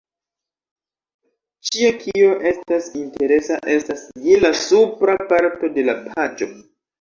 Ĉio kio estas interesa estas je la supra parto de la paĝo